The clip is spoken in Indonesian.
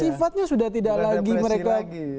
sifatnya sudah tidak lagi mereka